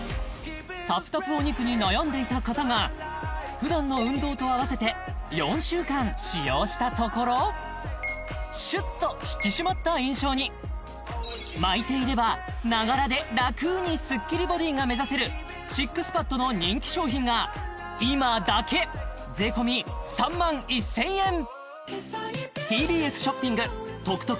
タプタプお肉に悩んでいた方が普段の運動とあわせて４週間使用したところシュッと引き締まった印象に巻いていればながらでラクにスッキリボディが目指せるＳＩＸＰＡＤの人気商品が今だけ税込３万１０００円ＴＢＳショッピング得々！